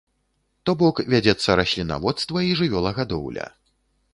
То бок вядзецца раслінаводства і жывёлагадоўля.